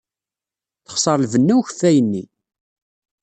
Texṣer lbenna n ukeffay-nni.